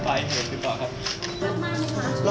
ผม